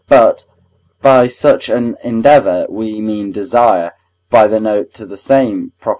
but by such an endeavour we mean desire (by the note to the same Prop.)